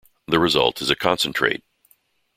The result is a concentrate.